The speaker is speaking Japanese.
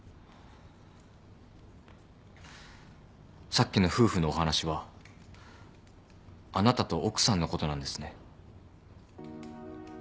さっきの夫婦のお話はあなたと奥さんのことなんですね。